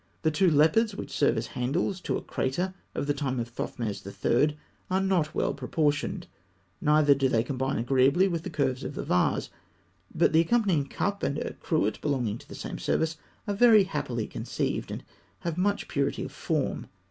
The two leopards which serve as handles to a crater of the time of Thothmes III. (fig. 293) are not well proportioned, neither do they combine agreeably with the curves of the vase; but the accompanying cup (fig. 294), and a cruet belonging to the same service (fig. 295), are very happily conceived, and have much purity of form.